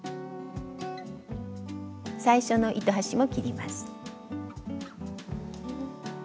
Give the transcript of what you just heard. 最初の糸端も切ります。